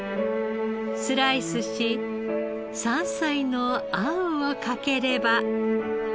スライスし山菜の餡をかければ。